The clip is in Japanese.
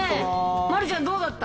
丸ちゃん、どうだった？